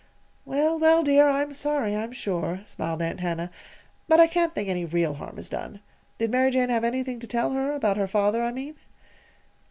"Well, well, dear, I'm sorry, I'm sure," smiled Aunt Hannah; "but I can't think any real harm is done. Did Mary Jane have anything to tell her about her father, I mean?"